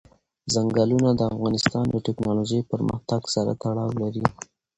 ځنګلونه د افغانستان د تکنالوژۍ پرمختګ سره تړاو لري.